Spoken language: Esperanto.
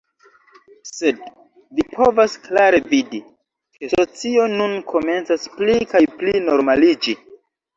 sed vi povas klare vidi, ke socio nun komencas pli kaj pli normaliĝi.